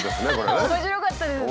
面白かったですね。